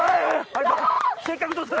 せっかくとった。